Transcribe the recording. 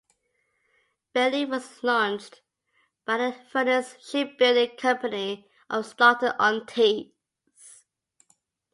"Bayleaf" was launched by the Furness Shipbuilding Company of Stockton-on-Tees.